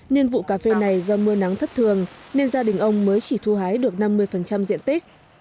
nên vụ cà phê này do mưa nắng thất thường nên gia đình ông mới chỉ thu hái được năm mươi diện tích